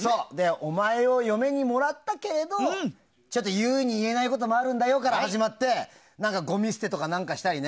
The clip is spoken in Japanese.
お前を嫁にもらったけれどちょっと言うに言えないこともあるから始まってごみ捨てとか、何かしたりね。